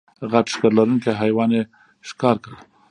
غټ ښکر لرونکی حیوان یې ښکار کړ.